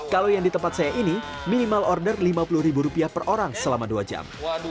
kalau yang di tempat saya ini minimal order lima puluh ribu rupiah per orang selama dua jam